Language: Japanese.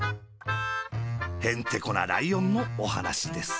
へんてこなライオンのおはなしです。